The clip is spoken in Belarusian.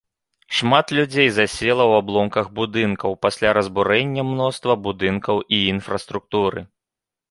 Шмат людзей засела ў абломках будынкаў, пасля разбурэння мноства будынкаў і інфраструктуры.